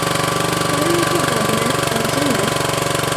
Puerto Rico Governor and Sr.